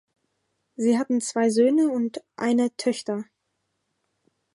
Sie hatten zwei Söhne und eine Töchter.